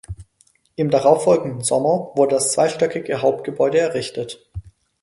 Im darauffolgenden Sommer wurde das zweistöckige Hauptgebäude errichtet.